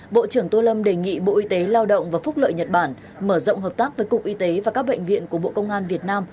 bộ trưởng tô lâm đề nghị bộ y tế lao động và phúc lợi nhật bản mở rộng hợp tác với cục y tế và các bệnh viện của bộ công an việt nam